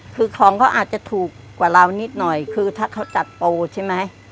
คือของเขาอาจจะถูกกว่าเรานิดหน่อยคือถ้าเขาจัดโปรใช่ไหม